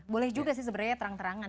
boleh juga sih sebenarnya terang terangan